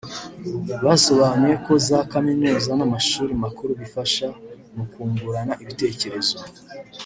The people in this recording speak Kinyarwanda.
Basobanuye ko za Kaminuza n’amashuri makuru bifasha mu kungurana ibitekerezo